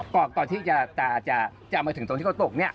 พอไปถึงที่เขาตก